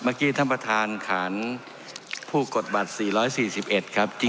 เมื่อกี้ท่านประธานขาลผู้กฎบัตร๔๔๑